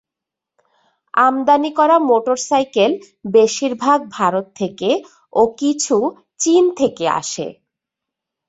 আমদানি করা মোটরসাইকেল বেশির ভাগ ভারত থেকে ও কিছু চীন থেকে আসে।